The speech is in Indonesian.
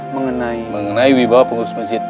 mengenai wibawa pengurus mesjid